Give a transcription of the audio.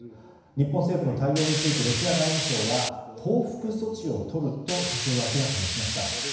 日本政府の対応についてロシア外務省は報復措置をとると先ほど明らかにしました。